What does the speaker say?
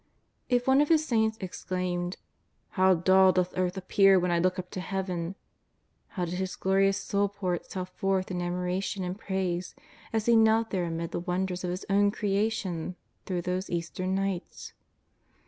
If one of His Saints exclaimed :" How dull does earth appear when I look up to Heaven," how did His glorious Soul pour Itself forth in admiration and praise as He knelt there amid the wonders of His o^vn creation through those eastern nights